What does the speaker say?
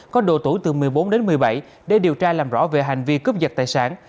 có độ tuổi từ một mươi bốn đến một mươi bảy để điều tra làm rõ về hành vi cướp giật tài sản